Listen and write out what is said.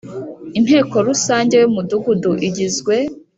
Inteko rusange y Umudugudu igizwe